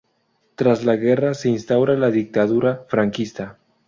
Tras la guerra, se instaura la dictadura franquista.